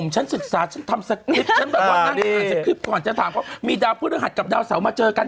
จะถามเขามีดาวพรึงหัสกับดาวเสามาเจอกัน